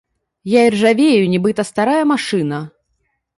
Я іржавею, нібыта старая машына.